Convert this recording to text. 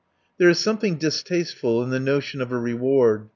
There is something distasteful in the notion of a reward.